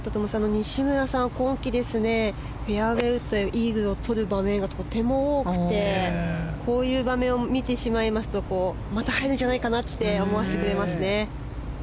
西村さん、今季フェアウェーウッドでイーグルをとる場面がとても多くてこういう場面を見てしまうとまた入るんじゃないかなと思わせてくれますね。